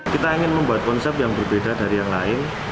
kita ingin membuat konsep yang berbeda dari yang lain